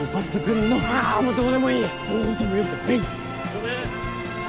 ・ごめん！